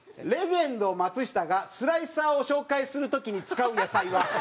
「レジェンド松下がスライサーを紹介する時に使う野菜は？」。